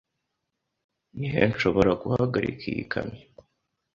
Ni he nshobora guhagarika iyi kamyo?